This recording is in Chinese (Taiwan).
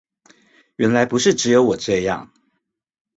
原來不是只有我這樣